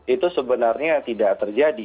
itu sebenarnya tidak terjadi